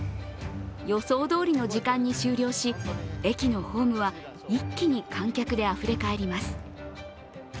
予想どおりの時間に終了し駅のホームは一気に観客であふれかえります。